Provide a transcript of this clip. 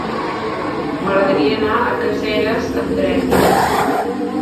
M'agradaria anar a Caseres amb tren.